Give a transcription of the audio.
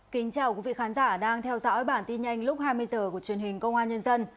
kính chào quý vị khán giả đang theo dõi bản tin nhanh lúc hai mươi h của truyền hình công an nhân dân